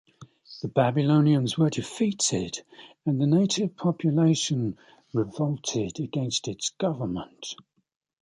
The Babylonians were defeated and the native population revolted against its government.